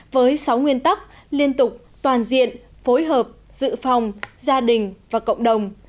với sáu nguyên tắc liên tục toàn diện phối hợp dự phòng gia đình và cộng đồng